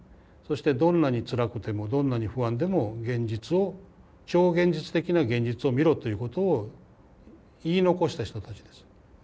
そしてどんなにつらくてもどんなに不安でも現実を超現実的な現実を見ろということを言い残した人たちです。